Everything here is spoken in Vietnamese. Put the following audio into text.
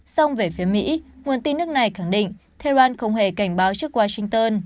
xong về phía mỹ nguồn tin nước này khẳng định tehran không hề cảnh báo trước washington